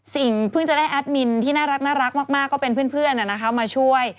เพิ่งจะได้แอดมินที่น่ารักมากก็เป็นเพื่อนมาช่วย